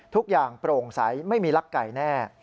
ทุกอย่างโปร่งใสไม่มีลักไก่แน่